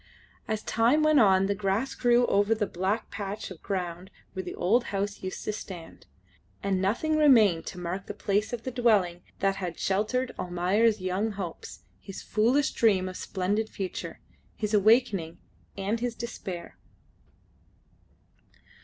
As time went on the grass grew over the black patch of ground where the old house used to stand, and nothing remained to mark the place of the dwelling that had sheltered Almayer's young hopes, his foolish dream of splendid future, his awakening, and his despair.